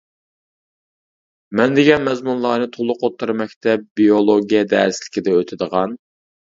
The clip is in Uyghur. مەن دېگەن مەزمۇنلارنى تولۇق ئوتتۇرا مەكتەپ بىيولوگىيە دەرسلىكىدە ئۆتىدىغان.